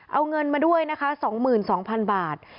เอาเงินมาด้วยนะคะ๒๒๐๐๐บาท